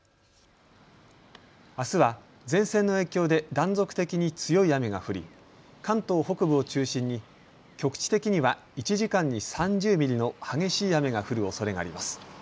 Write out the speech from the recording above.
あすは前線の影響で断続的に強い雨が降り関東北部を中心に局地的には１時間に３０ミリの激しい雨が降るおそれがあります。